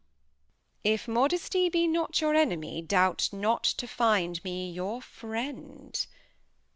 If Modesty be not your Enemy, doubt not to [Reads. Find me your Friend.